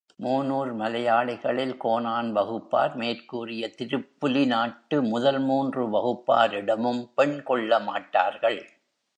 Moonur மலையாளிகளில் Konan வகுப்பார், மேற்கூறிய திருப்புலி நாட்டு முதல் மூன்று வகுப்பாரிடமும் பெண் கொள்ளமாட்டார்கள்.